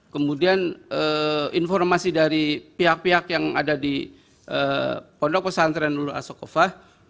kemudian informasi dari pihak pihak yang ada di pondok pesantren nurul asokofah